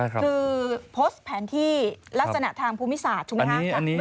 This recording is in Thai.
คือโพสต์แผนที่ลักษณะทางภูมิศาสตร์ถูกไหมคะ